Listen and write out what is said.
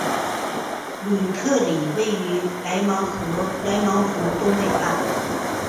吕特里位于莱芒湖东北岸。